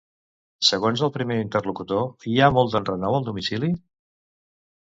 Segons el primer interlocutor, hi ha molt enrenou al domicili?